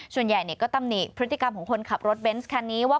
ส่วนใหญ่ก็ตำหนิพฤติกรรมของคนขับรถเบนส์คันนี้ว่า